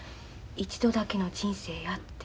一度だけの人生や」って。